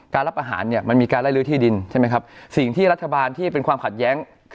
การรับอาหารมีการไล่รื้อที่ดิน